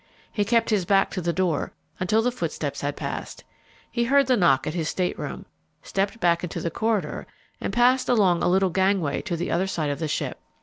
He kept his back to the door until the footsteps had passed. He heard the knock at his stateroom, stepped back into the corridor, and passed along a little gangway to the other side of the ship.